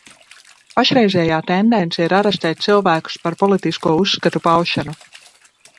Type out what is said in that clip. Pašreizējā tendence ir arestēt cilvēkus par politisko uzskatu paušanu.